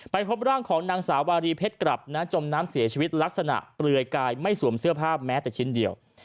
พบร่างของนางสาวารีเพชรกลับนะจมน้ำเสียชีวิตลักษณะเปลือยกายไม่สวมเสื้อผ้าแม้แต่ชิ้นเดียว